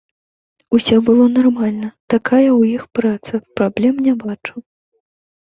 Усё было нармальна, такая ў іх праца, праблем не бачу.